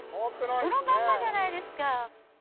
そのまんまじゃないですか。